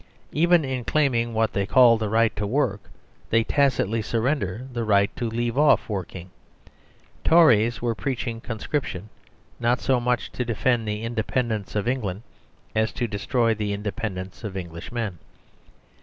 Even in claiming what they called the right to work 82 The Superstition of Divorce they tacitly surrendered the right to leave oflF working. Tories were preaching conscrip tion, not so much to defend the independence of England as to destroy the independence of Englishmen.